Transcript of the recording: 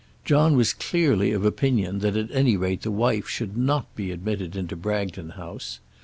John was clearly of opinion that at any rate the wife should not be admitted into Bragton House.